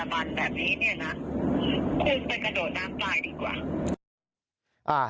ควรไปกระโดดตามไปดีกว่า